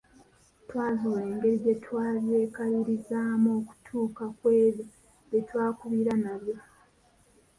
Twazuula engeri gye twabyekalirizaamu okutuuka ku ebyo bye twakubira nabyo.